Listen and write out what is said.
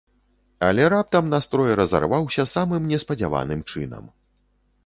Але раптам настрой разарваўся самым неспадзяваным чынам.